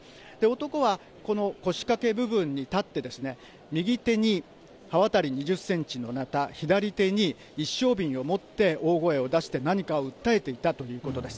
男はこの腰かけ部分に立って、右手に刃渡り２０センチのなた、左手に一升瓶を持って、大声を出して、何かを訴えていたということです。